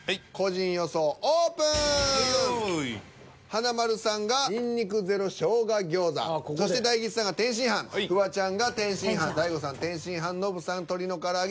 華丸さんが「にんにくゼロ生姜餃子」そして大吉さんが「天津飯」フワちゃんが「天津飯」大悟さん「天津飯」ノブさん「鶏の唐揚」